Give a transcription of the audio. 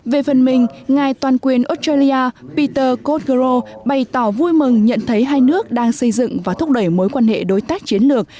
về phần mình ngài toàn quyền australia peter cotgro bày tỏ vui mừng nhận thấy hai nước đang xây dựng và thúc đẩy mối quan hệ đối tác chiến lược